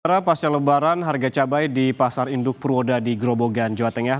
sementara pasca lebaran harga cabai di pasar induk purwoda di grobogan jawa tengah